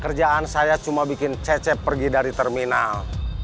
kerjaan saya cuma bikin cecep pergi dari terminal